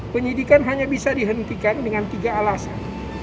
penyidikan hanya bisa dihentikan dengan tiga alasan